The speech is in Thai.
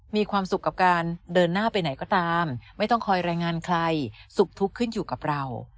มีความสุขกับการเดินหน้าไปไหนก็ตามไม่ต้องคอยรายงานใครสุขทุกข์ขึ้นอยู่กับเรา